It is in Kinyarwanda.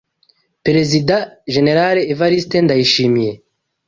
Perezida Generale Evariste Ndayishimiye